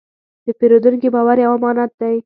د پیرودونکي باور یو امانت دی.